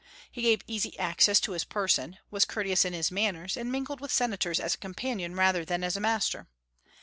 He gave easy access to his person, was courteous in his manners, and mingled with senators as a companion rather than as a master.